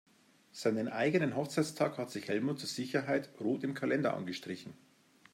Seinen eigenen Hochzeitstag hat sich Helmut zur Sicherheit rot im Kalender angestrichen.